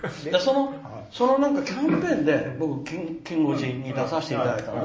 そのキャンペーンで「きん５時」に出させていただいたのね。